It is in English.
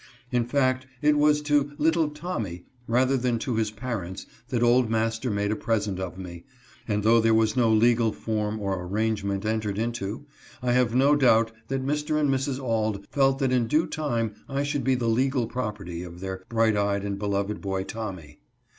In fact it was to "little Tommy," rather than to his parents, that old master made a pres ent of me, and, though there was no legal form or ar rangement entered into, I have no doubt that Mr. and Mrs. Auld felt that in due time I should be the legal property of their bright eyed and beloved boy Tommy.